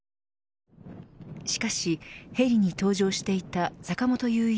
しかし、ヘリに搭乗していた坂本雄一